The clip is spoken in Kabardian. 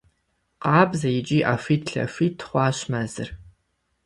Къабзэ икӏи ӏэхуит-лъэхуит хъуащ мэзыр.